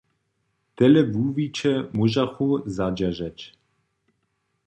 Tele wuwiće móžachmy zadźeržeć.